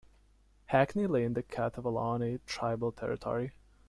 Hackney lay in the Catevallauni tribal territory.